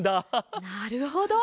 なるほど。